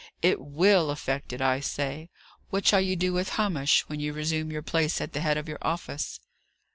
It will effect it, I say. What shall you do with Hamish, when you resume your place at the head of your office?"